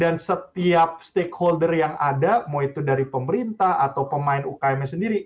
dan setiap stakeholder yang ada mau itu dari pemerintah atau pemain umkm sendiri